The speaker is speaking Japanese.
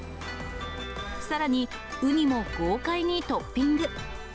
さらに、ウニも豪快にトッピング。